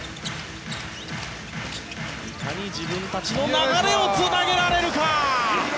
いかに自分たちの流れをつなげられるか。